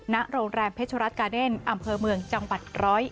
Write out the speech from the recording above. ณโรงแรมเพชรัตกาเดนอำเภอเมืองจังหวัด๑๐๑